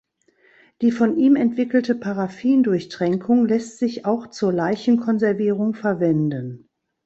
Die von ihm entwickelte Paraffin-Durchtränkung lässt sich auch zur Leichenkonservierung verwenden.